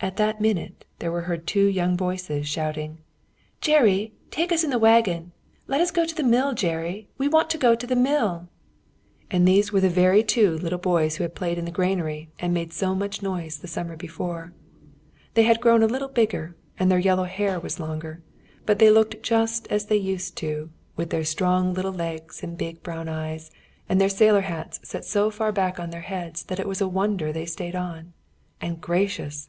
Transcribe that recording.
At that minute, there were heard two young voices, shouting: "Jerry, take us in the waggon! Let us go to mill, Jerry. We want to go to mill." And these were the very two boys who had played in the granary and made so much noise the summer before. They had grown a little bigger, and their yellow hair was longer, but they looked just as they used to, with their strong little legs and big brown eyes, and their sailor hats set so far back on their heads that it was a wonder they stayed on. And gracious!